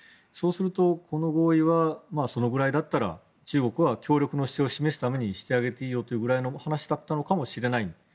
そうするとこの合意はそのぐらいだったら中国は協力の姿勢を示すためにしてあげていいよというぐらいの話だったのかもしれない。